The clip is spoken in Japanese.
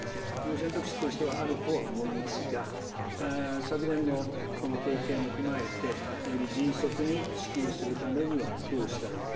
選択肢としてはあると思いますが昨年の経験を踏まえて迅速に支給するためにはどうしたらいいか。